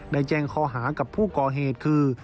ได้แจ้งข้อหากับผู้ก่อเหตุคือ